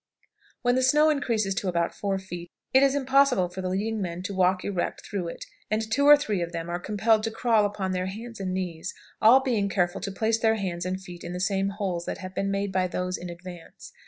When the snow increases to about four feet, it is impossible for the leading men to walk erect through it, and two or three of them are compelled to crawl upon their hands and knees, all being careful to place their hands and feet in the same holes that have been made by those in advance.